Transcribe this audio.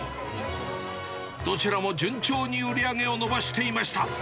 どちらも順調に売り上げを伸ばしていました。